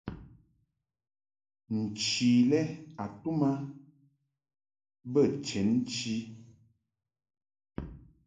Nchi lɛ a tum a bə chenchi.